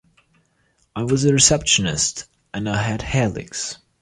I was a receptionist, and I had hair licks.